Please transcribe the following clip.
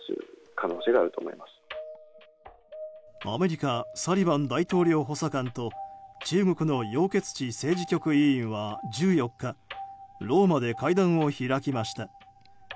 アメリカサリバン大統領補佐官と中国のヨウ・ケツチ政治局委員は１４日、ローマで会談を開きました。